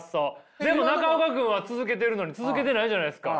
でも中岡君は続けてるのに続けてないじゃないですか？